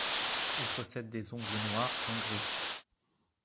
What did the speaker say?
Il possède des ongles noirs sans griffes.